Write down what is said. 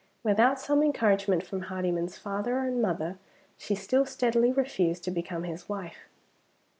Without some encouragement from Hardyman's father and mother she still steadily refused to become his wife.